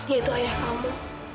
yaitu ayah kamu